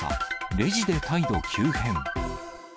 レジで態度急変。